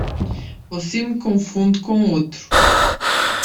Você me confunde com outro.